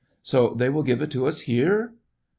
So they will give it to us here ?